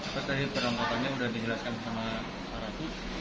terus tadi perangkatannya sudah dijelaskan sama para aku